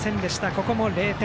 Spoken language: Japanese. ここも０点。